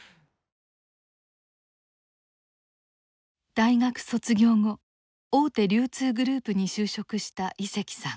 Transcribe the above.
大学卒業後大手流通グループに就職した井関さん。